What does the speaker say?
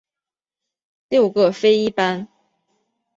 六各飞一班。